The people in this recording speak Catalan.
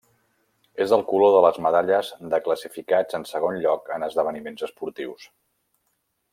És el color de les medalles de classificats en segon lloc en esdeveniments esportius.